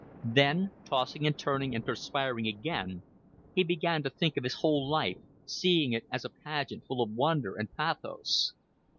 Then, tossing and turning and perspiring again, he began to think of his whole life, seeing it as a pageant full of wonder and pathos.